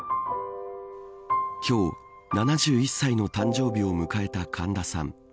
今日、７１歳の誕生日を迎えた神田さん。